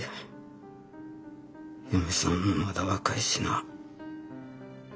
嫁さんもまだ若いしな。